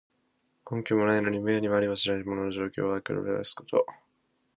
根拠もないのに、むやみにありもしない物、または情況を作り出すこと。